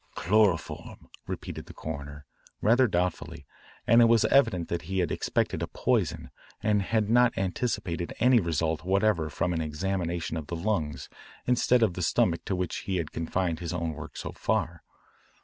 "Chloroform," repeated the coroner, rather doubtfully, and it was evident that he had expected a poison and had not anticipated any result whatever from an examination of the lungs instead of the stomach to which he had confined his own work so far.